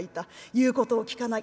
言うことを聞かない。